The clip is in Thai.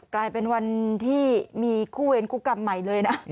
กลายเป็นวันที่มีคู่เวรคู่กรรมใหม่เลยนะ